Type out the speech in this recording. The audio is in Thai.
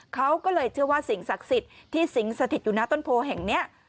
เขาก็เลยเชื่อว่าสิ่งศักดิ์สิทธิ์ที่สิงสถิตอยู่หน้าต้นโพแห่งนี้